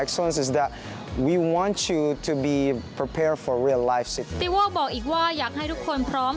โว้บอกอีกว่าอยากให้ทุกคนพร้อม